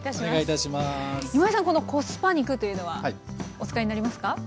このコスパ肉というのはお使いになりますか？